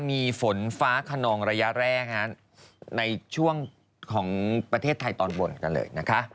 มีฝนฟ้าขนองระยะแรกในช่วงของประเทศไทยตอนบนกันเลยนะคะ